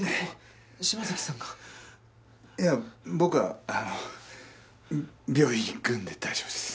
いや僕はあの病院行くんで大丈夫です。